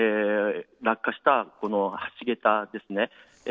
落下した橋げたですね